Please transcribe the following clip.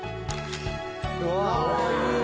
「うわー！いい！」